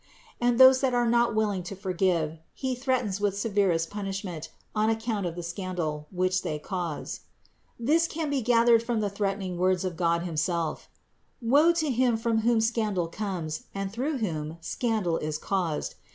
And those that are not willing to forgive, He THE INCARNATION 341 threatens with severest punishment on account of the scandal, which they cause. This can be gathered from the threatening words of God himself : Woe to him from whom scandal comes and through whom scandal is caused